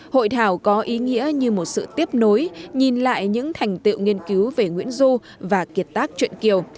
hội thảo có ý nghĩa như một sự tiếp nối nhìn lại những thành tiệu nghiên cứu về nguyễn du và kiệt tác truyện kiều